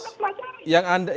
kami juga akan pelajari